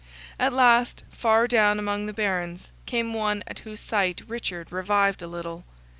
At last, far down among the Barons, came one at whose sight Richard revived a little.